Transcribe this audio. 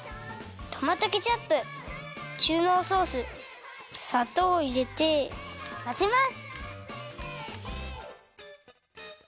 トマトケチャップ中のうソースさとうをいれてまぜます！